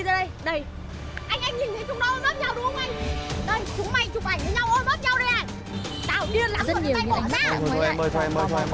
trận tự công cộng đấy